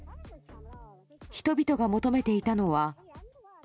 人々が求めていたのは。